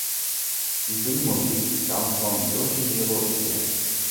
Die Filmmusik stammt von Yoshihiro Ike.